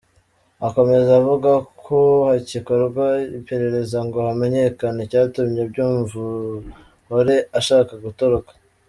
Akomeza avuga ko hagikorwa iperereza ngo hamenyekane icyatumye Byumvuhore ashaka gutoroka.